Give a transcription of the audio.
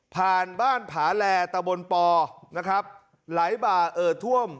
บ้านผาแลตะบนปอนะครับไหลบ่าเอ่อท่วม